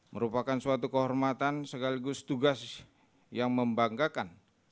merupakan suatu kehormatan sekaligus tugas yang membanggakan